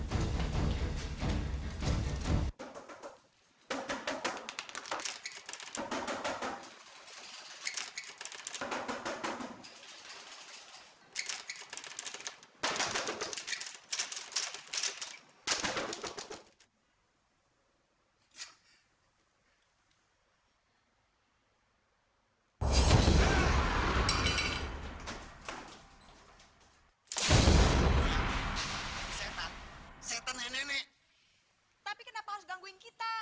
tante gak apa apa kan